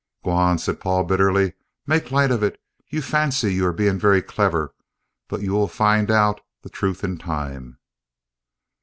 "Go on," said Paul bitterly, "make light of it you fancy you are being very clever, but you will find out the truth in time!"